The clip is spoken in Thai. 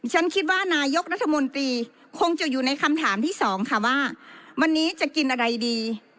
ฉันคิดว่านายกรัฐมนตรีคงจะอยู่ในคำถามที่สองค่ะว่าวันนี้จะกินอะไรดี